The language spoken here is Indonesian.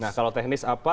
nah kalau teknis apa